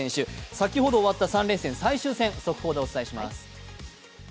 先ほど終わった３連戦、最終戦、速報でお伝えします。